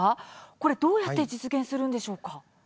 これ、どうやって実現するんでしょうか？